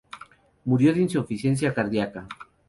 Murió de insuficiencia cardiaca.